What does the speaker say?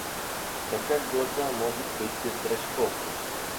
Да как глаза могут быть без зрачков?